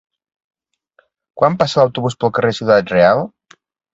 Quan passa l'autobús pel carrer Ciudad Real?